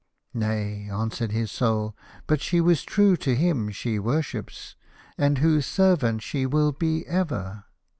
"Nay," answered his Soul, "but she was true to H im she worships, and whose servant she will be ever."